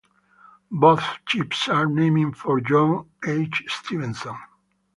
Both ships are named for John H. Stevenson.